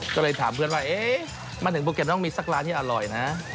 ก็เลยถามเพื่อนว่าเอ๊ะมาถึงภูเก็ตต้องมีสักร้านที่อร่อยนะ